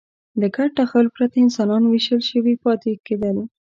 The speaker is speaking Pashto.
له ګډ تخیل پرته انسانان وېشل شوي پاتې کېدل.